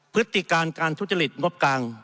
พฤติการการทุจริตงบกลาง